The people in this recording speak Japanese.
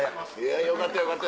よかったよかった。